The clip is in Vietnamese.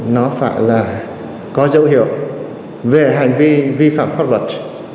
nó phải là có dấu hiệu về hành vi vi phạm pháp luật